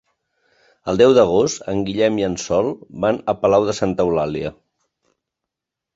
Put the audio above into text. El deu d'agost en Guillem i en Sol van a Palau de Santa Eulàlia.